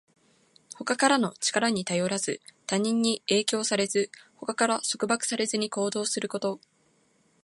他からの力に頼らず、他人に影響されず、他から束縛されずに行動すること。